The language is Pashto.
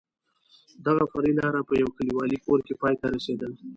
دغه فرعي لار په یو کلیوالي کور کې پای ته رسېدل.